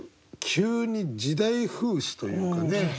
急に時代風刺というかね。